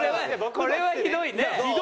これはひどいね。